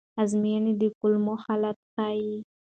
ازموینې د کولمو حالت ښيي.